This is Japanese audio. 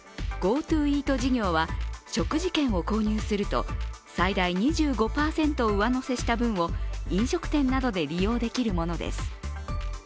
ＧｏＴｏイート事業は食事券を購入すると、最大２５％上乗せした分を飲食店などで利用できるものです。